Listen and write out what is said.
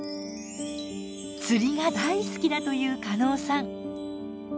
釣りが大好きだという加納さん。